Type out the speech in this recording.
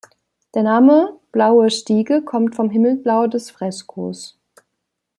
Der Name "Blaue Stiege" kommt vom Himmelsblau des Freskos.